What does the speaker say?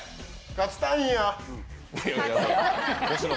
勝ちたいんや。